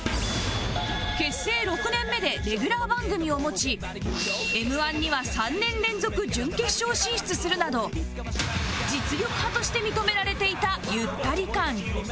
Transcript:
結成６年目でレギュラー番組を持ち Ｍ−１ には３年連続準決勝進出するなど実力派として認められていたゆったり感